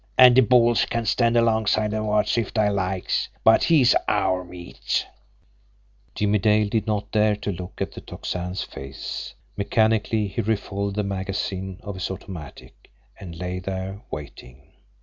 An' de bulls can stand alongside an' watch, if dey likes but he's our meat." Jimmie Dale did not dare to look at the Tocsin's face. Mechanically he refilled the magazine of his automatic and lay there, waiting.